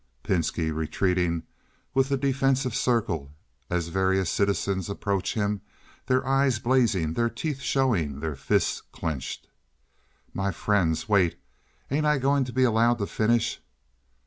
Pinski (retreating within a defensive circle as various citizens approach him, their eyes blazing, their teeth showing, their fists clenched). "My friends, wait! Ain't I goin' to be allowed to finish?"